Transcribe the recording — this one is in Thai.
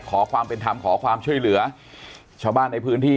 ขอความเป็นธรรมขอความช่วยเหลือชาวบ้านในพื้นที่